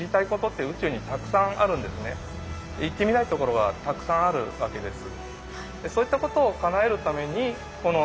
行ってみたいところはたくさんあるわけです。